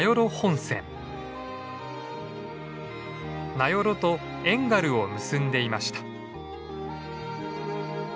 名寄と遠軽を結んでいました。